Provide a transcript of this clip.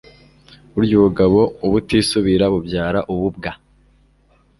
burya ubugabo ubutisubira bubyara ububwa